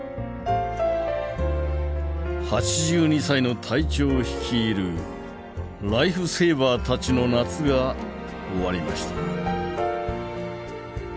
８２歳の隊長率いるライフセーバーたちの夏が終わりました。